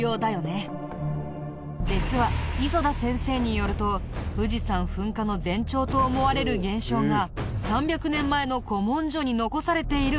実は磯田先生によると富士山噴火の前兆と思われる現象が３００年前の古文書に残されているみたいだよ。